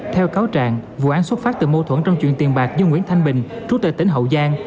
theo cáo trạng vụ án xuất phát từ mô thuẫn trong chuyện tiền bạc như nguyễn thanh bình trút tại tỉnh hậu giang